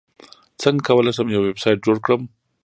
څنګه کولی شم یو ویبسایټ جوړ کړم